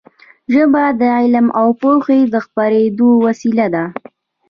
ژبه د علم او پوهې د خپرېدو وسیله ده.